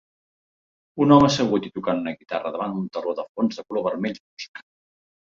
Un home assegut i tocant una guitarra davant un teló de fons de color vermell fosc.